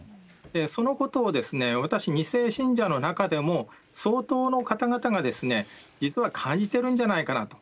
そのことを私、２世信者の中でも相当の方々が実は感じてるんじゃないかなと。